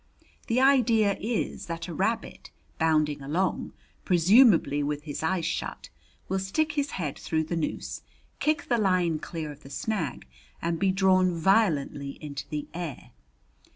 The idea is that a rabbit, bounding along, presumably with his eyes shut, will stick his head through the noose, kick the line clear of the snag and be drawn violently into the air.